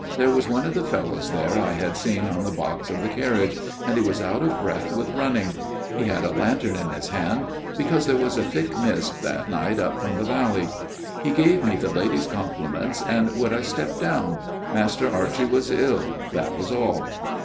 There was one of the fellows there I had seen on the box of the carriage ; and he was out of breath with running. He had a lantern in his hand ; because there was a thick mist that night, up from the valley. " He gave me the lady's compliments ; and would I step down ? Master Archie was ill. That was all."